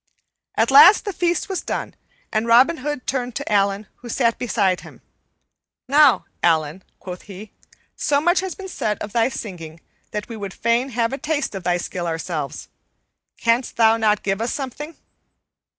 At last the feast was done, and Robin Hood turned to Allan, who sat beside him. "Now, Allan," quoth he, "so much has been said of thy singing that we would fain have a taste of thy skill ourselves. Canst thou not give us something?"